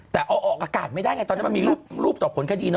แต่เอาออกอากาศไม่ได้ไงตอนนั้นมันมีรูปต่อผลคดีเนอ